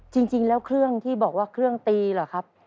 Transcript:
จริงแล้วเครื่องที่บอกว่าเครื่องตีเหรอครับ